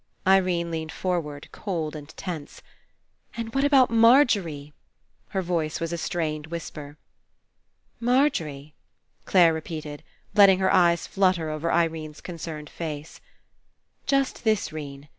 Irene leaned forward, cold and tense. ''And what about Margery?" Her voice was a strained whisper. "Margery?" Clare repeated, letting her eyes flutter over Irene's concerned face. "Just this, 'Rene.